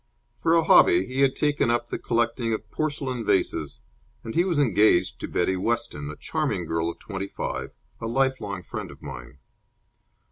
For a hobby, he had taken up the collecting of porcelain vases, and he was engaged to Betty Weston, a charming girl of twenty five, a lifelong friend of mine.